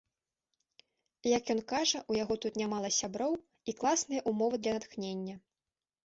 Як ён кажа, у яго тут нямала сяброў і класныя ўмовы для натхнення.